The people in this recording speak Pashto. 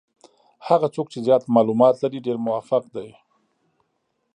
هغه څوک چې زیات معلومات لري ډېر موفق دي.